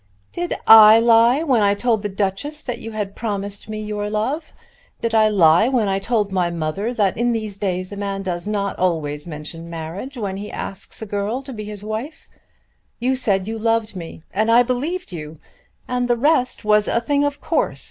"Did I lie when I told the Duchess that you had promised me your love? Did I lie when I told my mother that in these days a man does not always mention marriage when he asks a girl to be his wife? You said you loved me, and I believed you, and the rest was a thing of course.